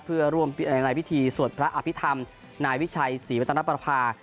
เพื่อร่วมในพิธีสวดพระอภิษฐรรมนายวิชัยศรีวัตนประภา